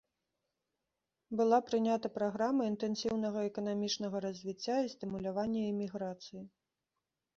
Была прынята праграма інтэнсіўнага эканамічнага развіцця і стымулявання іміграцыі.